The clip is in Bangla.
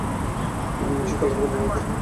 তিনি শিক্ষা লাভে অনুপ্রাণিত হন।